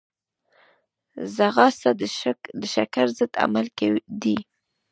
ځغاسته د شکر ضد عمل دی